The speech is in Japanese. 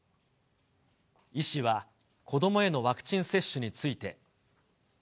医師は、子どもへのワクチン接種について。